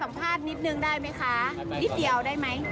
ภาพนิดนึงได้ไหมคะนิดเดียวได้ไหม